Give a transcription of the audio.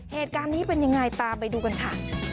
เหตุการณ์นี้เป็นยังไงตามไปดูกันค่ะ